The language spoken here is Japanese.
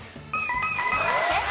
正解。